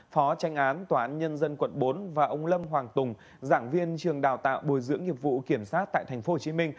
phó tranh án tòa án nhân dân quận bốn và ông lâm hoàng tùng giảng viên trường đào tạo bồi dưỡng nghiệp vụ kiểm soát tại tp hcm